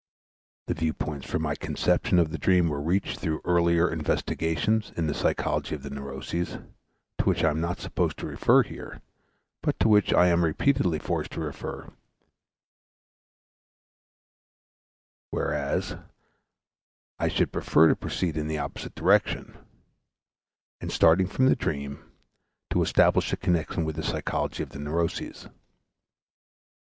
The view points for my conception of the dream were reached through earlier investigations in the psychology of the neuroses, to which I am not supposed to refer here, but to which I am repeatedly forced to refer, whereas I should prefer to proceed in the opposite direction, and, starting from the dream, to establish a connection with the psychology of the neuroses.